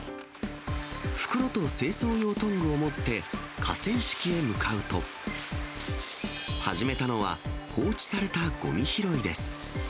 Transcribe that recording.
袋と清掃用トングを持って、河川敷へ向かうと、始めたのは、放置されたごみ拾いです。